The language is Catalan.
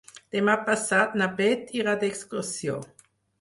Demà passat na Beth irà d'excursió.